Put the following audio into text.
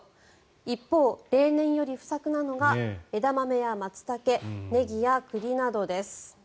一方、例年より不作なのが枝豆やマツタケネギや栗などです。